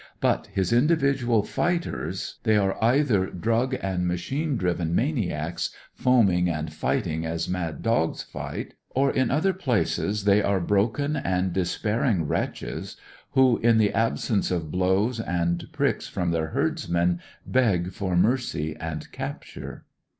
But his mdividual fighters — ^they are either drug and machine driven maniacs, foaming and fighting as mad dogs fight, or in other places they are 170 A COOL CANADIAN jil .: If t la ! I Ml i n broken and despairing wretches who, in the absence of blows and pricks from their herdsmen, beg for mercy and capture.